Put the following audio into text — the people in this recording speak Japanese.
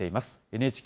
ＮＨＫ